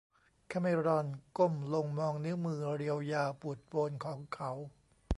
คาเมรอนก้มลงมองนิ้วมือเรียวยาวปูดโปนของเขา